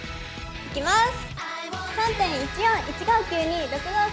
いきます！